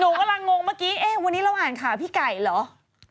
กำลังงงเมื่อกี้เอ๊ะวันนี้เราอ่านข่าวพี่ไก่เหรอ